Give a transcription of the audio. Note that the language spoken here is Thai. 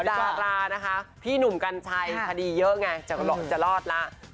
ดารานะคะพี่หนุ่มกัญชัยคดีเยอะไงจะรอดแล้ว